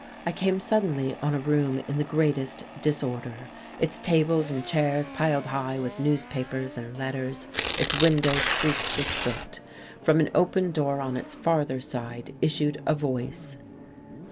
I came suddenly on a room in the greatest disorder, its tables and chairs piled high with newspapers and letters, its windows streaked with soot. From an open door on its farther side issued a voice.